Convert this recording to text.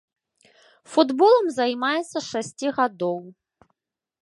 Футболам займаецца з шасці гадоў.